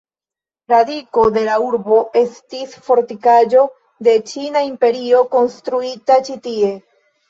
Radiko de la urbo estis fortikaĵo de la Ĉina Imperio, konstruita ĉi-tie.